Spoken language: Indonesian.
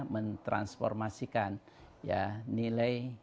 mentransformasikan ya nilai